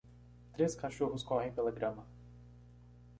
três cachorros correm pela grama.